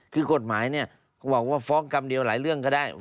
คือกฎหมายเนี่ยบอกว่าฟ้องกรรมเดียวหลายเรื่องก็ได้